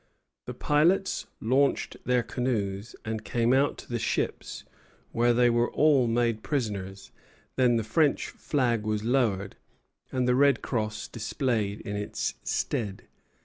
The pilots launched their canoes and came out to the ships, where they were all made prisoners; then the French flag was lowered, and the red cross displayed in its stead.